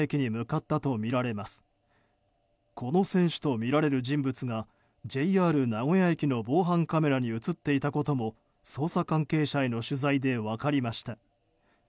この選手とみられる人物がＪＲ名古屋駅の防犯カメラに映っていたことも捜査関係者への取材で分かりました。